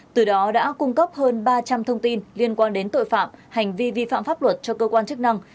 từ đó đã cung cấp hơn ba trăm linh thông tin liên quan đến tội phạm hành vi vi phạm pháp luật cho cơ quan chức năng